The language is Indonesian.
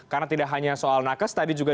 karena tidak hanya soal nakes tadi juga